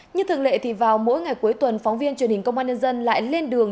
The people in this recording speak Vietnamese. như thường lệ thì vào mỗi ngày cuối tuần phóng viên truyền hình công an nhân dân lại lên đường